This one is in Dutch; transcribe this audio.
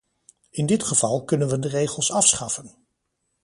In dit geval kunnen we de regels afschaffen.